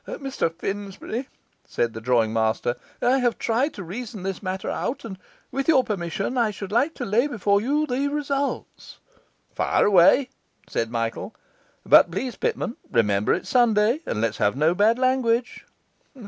'Mr Finsbury,' said the drawing master, 'I have tried to reason this matter out, and, with your permission, I should like to lay before you the results.' 'Fire away,' said Michael; 'but please, Pitman, remember it's Sunday, and let's have no bad language.